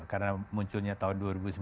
karena munculnya tahun dua ribu sembilan belas